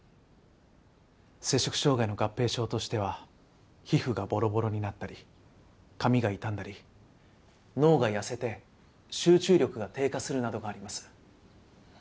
摂食障害の合併症としては皮膚がボロボロになったり髪が傷んだり脳が痩せて集中力が低下するなどがあります。